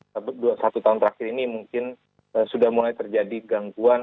satu tahun terakhir ini mungkin sudah mulai terjadi gangguan